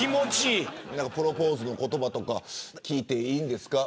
プロポーズの言葉とか聞いていいですか。